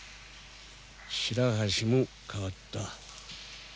白橋も変わった。